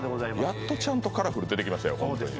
やっとちゃんとカラフル出てきましたよ。